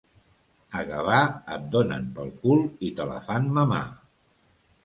A Gavà et donen pel cul i te la fan mamar.